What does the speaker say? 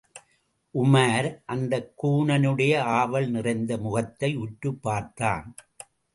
உமார் அந்தக் கூனனுடைய ஆவல் நிறைந்த முகத்தை உற்றுப் பார்த்தான்.